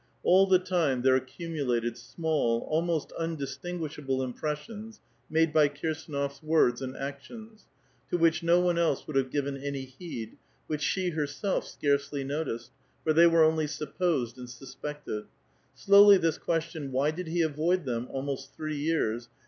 All the time there accumulated small, almost undistinguishable, impressions made by Kirsdnof s words and actions, to which no one else would have given any heed, which she herself scarcely noticed, for they were only sup posed and suspected. Slowly this question, *' Why did he avoid them almost three years?"